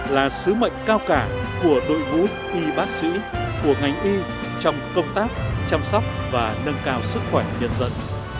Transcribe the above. là sứ mệnh cao cả của đội ngũ y bác sĩ của ngành y trong công tác chăm sóc và nâng cao sức khỏe nhân dân